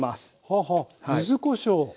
はあはあ柚子こしょうほう！